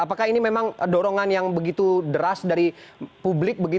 apakah ini memang dorongan yang begitu deras dari publik